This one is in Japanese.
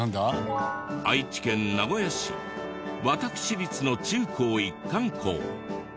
愛知県名古屋市私立の中高一貫校。